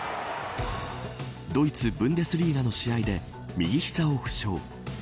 ドイツ、ブンデスリーガの試合で右膝を負傷。